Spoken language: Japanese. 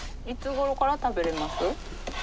いつごろから食べれます？